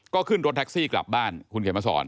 ก็ขึ้นรถแท็กซี่กลับบ้านคุณเขียนมาสอน